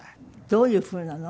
どういうふうなの？